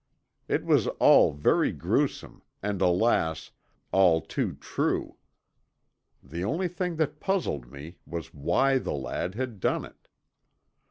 It was all very gruesome and alas, all too true! The only thing that puzzled me was why the lad had done it.